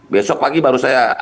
besok pagi baru saya